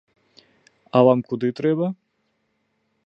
А вам куды трэба?